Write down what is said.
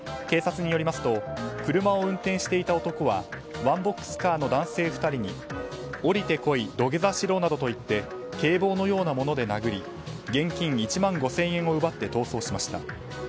警察によりますと車を運転していた男はワンボックスカーの男性２人に降りてこい、土下座しろなどと言って警棒のようなもので殴り現金１万５０００円を奪って逃走しました。